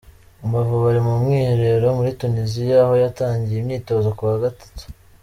Amavubi ari mu mwiherero muri Tunisia, aho yatangiye imyitozo kuwa Gatatu